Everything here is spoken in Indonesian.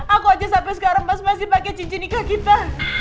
aku aja sampai sekarang masih pakai cincin nikah kita